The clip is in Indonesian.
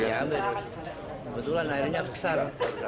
mau diambil kebetulan akhirnya besar